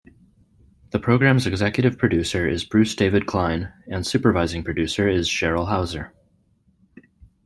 The program's executive producer is Bruce David Klein and supervising producer is Cheryl Houser.